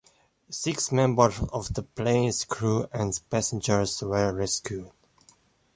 Six members of the plane's crew and passengers were rescued.